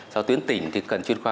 sau tuyến tỉnh thì cần chuyên khoa